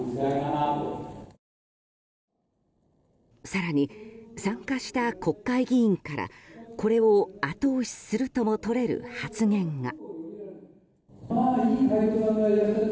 更に、参加した国会議員からこれを後押しするともとれる発言が。